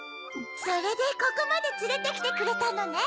それでここまでつれてきてくれたのね。